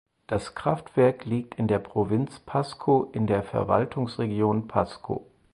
Das Kraftwerk liegt in der Provinz Pasco in der Verwaltungsregion Pasco.